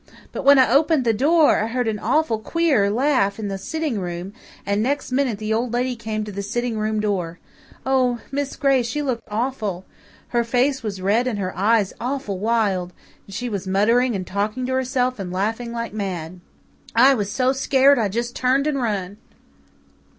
But when I opened the door, I heard an awful queer laugh in the sitting room, and next minute, the Old Lady came to the sitting room door. Oh, Miss Gray, she looked awful. Her face was red and her eyes awful wild and she was muttering and talking to herself and laughing like mad. I was so scared I just turned and run."